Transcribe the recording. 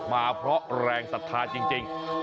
มาเพราะแรงศรัทธาจริง